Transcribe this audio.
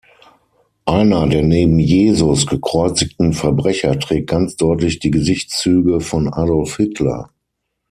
Einer der neben Jesus gekreuzigten Verbrecher trägt ganz deutlich die Gesichtszüge von Adolf Hitler.